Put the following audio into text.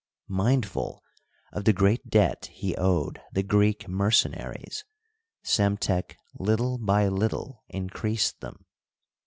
Mindful of the great aebt he owed the Greek merce naries, Psemtek little by little increased them.